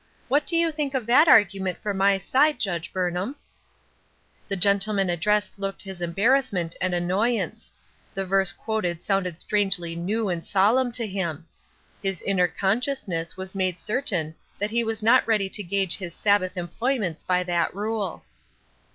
What do you think of that argument for my side, Judge Burnham ?" The gentleman addressed looked his embar rassment and annoyance. The verse quoted sounded strangely new and solemn to him. His inner consciousness was made certain that he was not ready to gauge his Sabbath employments by that rule.